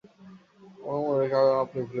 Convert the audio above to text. আমরা মনে রাখি, যেন আপনি ভুলে না যান।